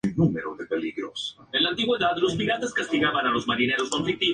Esto permite mejorar la calidad de las imágenes captadas con poca luz.